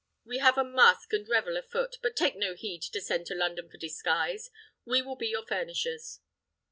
We have a masque and revel afoot; but take no heed to send to London for disguise; we will be your furnishers."